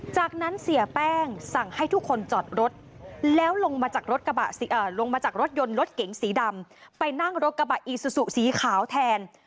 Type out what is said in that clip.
จากนั้นเสียแป้งสั่งให้ทุกคนจอดรถแล้วลงมาจากรถยนต์รถเก๋งสีดำไปนั่งรถกระบะอิซุสุสีขาวแทน